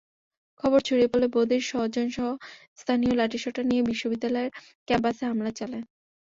খবর ছড়িয়ে পড়লে বদির স্বজনসহ স্থানীয়রা লাঠিসোঁটা নিয়ে বিশ্ববিদ্যালয়ের ক্যাম্পাসে হামলা চালায়।